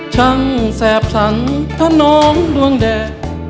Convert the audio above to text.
เพิ่งท่อน้องรองได้